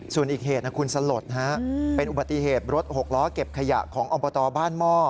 ส่วนอีกเหตุนะคุณสลดเป็นอุบัติเหตุรถหกล้อเก็บขยะของอบตบ้านหม้อ